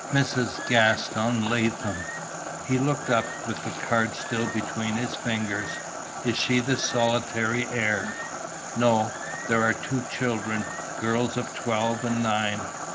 "Mrs. Gaston Latham." He looked up with the card still between his fingers. "Is she the solitary heir?" "No; there are two children; girls of twelve and nine."